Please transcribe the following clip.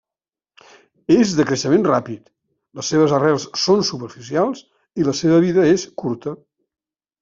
És de creixement ràpid, les seves arrels són superficials i la seva vida és curta.